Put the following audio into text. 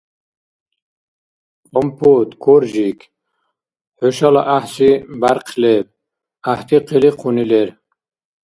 Компот, Коржик хӀушала гӀяхӀси бяркъ леб, гӀяхӀти къиликъуни лер.